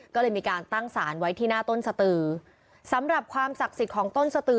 ก็เลยมีการตั้งสารไว้ที่หน้าต้นสตือสำหรับความศักดิ์สิทธิ์ของต้นสตือ